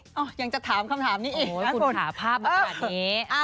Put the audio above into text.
ติดไหมอ๋อยังจะถามคำถามนี้อีกโอ้ยคุณถามภาพมาแบบนี้อ่า